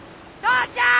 父ちゃん！